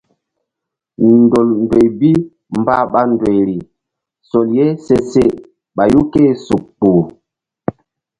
Ndol ndoy bi mbah ɓa ndoyri sol ye se se ɓayu ké-e suk kpuh.